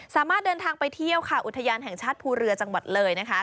สามารถเดินทางไปเที่ยวค่ะอุทยานแห่งชาติภูเรือจังหวัดเลยนะคะ